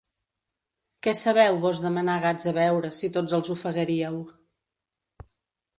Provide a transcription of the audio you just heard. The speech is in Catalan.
Què sabeu vós de menar gats a beure, si tots els ofegaríeu?